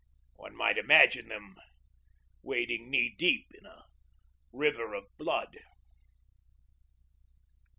One might imagine them wading knee deep in a river of blood.